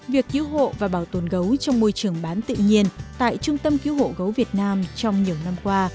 việc cứu hộ và bảo tồn gấu trong môi trường bán tự nhiên tại trung tâm cứu hộ gấu việt nam trong nhiều năm qua